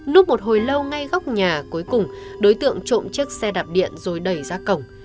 núp một hồi lâu ngay góc nhà cuối cùng đối tượng trộm chiếc xe đạp điện rồi đẩy ra cổng